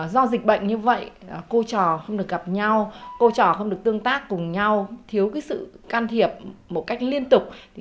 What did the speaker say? do dịch bệnh như vậy cô trò không được gặp nhau cô trò không được tương tác cùng nhau thiếu sự can thiệp một cách liên tục